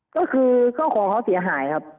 ก็คือข้าวของเขาเสียหายครับ